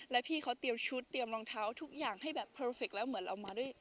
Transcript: แล้วพี่เขาเตรียมชุดเตรียมรองเท้าทุกอย่างให้แบบเพอร์เฟคแล้วเหมือนเรามาด้วย